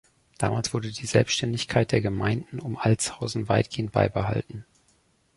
Damals wurde die Selbständigkeit der Gemeinden um Altshausen weitgehend beibehalten.